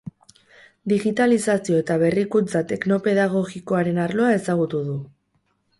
Digitalizazio eta berrikuntza tekno-pedagogikoaren arloa ezagutu dugu.